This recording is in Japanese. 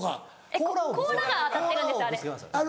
甲羅が当たってるんですよあれ。